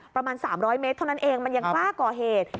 ประมาณ๓๐๐เมตรเท่านั้นเองมันยังกล้าก่อเหตุ